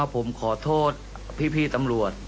ผมขอโทษพี่ตำรวจ